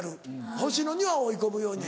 星野には追い込むように。